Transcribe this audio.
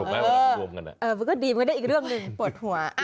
มันก็ดีมันก็ได้อีกเรื่องหนึ่งปวดหัว